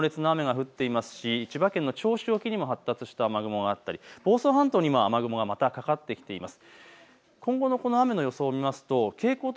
茨城県の北部では猛烈な雨が降っていますし千葉県銚子沖にも発達した雨雲もあって房総半島にもまた雨雲がかかってきています。